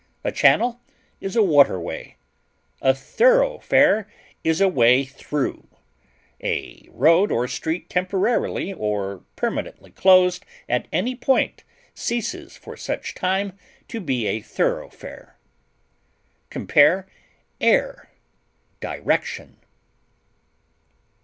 A channel is a water_way_. A thoroughfare is a way through; a road or street temporarily or permanently closed at any point ceases for such time to be a thoroughfare. Compare AIR; DIRECTION.